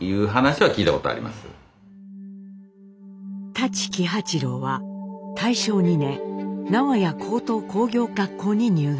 舘喜八郎は大正２年名古屋高等工業学校に入学。